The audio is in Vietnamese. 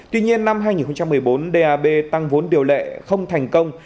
tuy nhiên năm hai nghìn một mươi bốn dap tăng vốn điều lệ không thành công